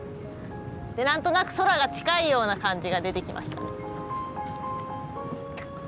何となく空が近いような感じが出てきました。